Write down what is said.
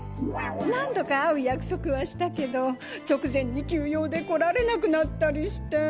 何度か会う約束はしたけど直前に急用で来られなくなったりして。